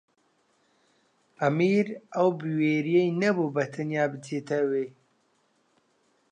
ئەمیر ئەو بوێرییەی نەبوو بەتەنیا بچێتە ئەوێ.